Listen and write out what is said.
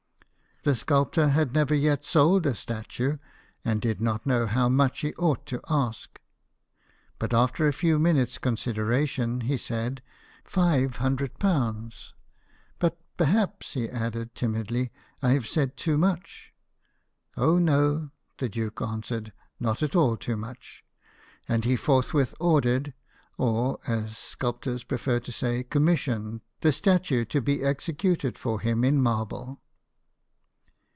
The sculptor had never yet sold a statue, and didn't know how much he ought to ask ; but after a few minutes' consideration he said, " Five hundred pounds. But, perhaps," he added timidly, " I have said too much." " Oh no," the duke answered, " not at all too much ;" and he forthwith ordered (or, as sculptors prefer to say, commissioned) the statue to be executed for him in marble.